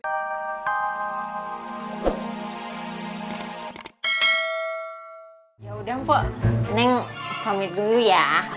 yaudah mpok aneh pamit dulu ya